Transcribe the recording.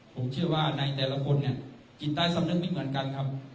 ผมเชื่อว่าในแต่ละคนเนี่ยกินใต้สำนึกไม่เหมือนกันครับ